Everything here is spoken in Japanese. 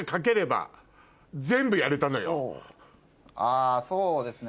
あそうですね。